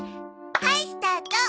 はいっスタート。